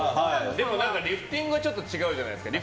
でもリフティングはちょっと違うじゃないですか。